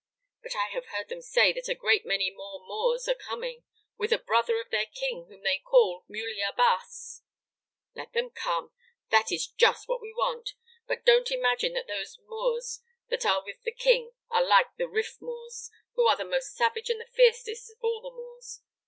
"But I have heard them say that a great many more Moors are coming, with a brother of their king, whom they call Muley Abbas." "Let them come! That is just what we want; but don't imagine that those Moors that are with the king are like the Riff Moors, who are the most savage and the fiercest of all the Moors.